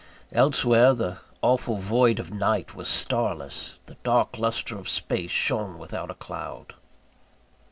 Elsewhere, the awful void of night was starless; the dark lustre of space shone without a cloud.